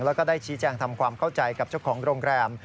แล้วก็ได้ชี้แจงทำความเข้าใจกับเจ้าของโรงแรม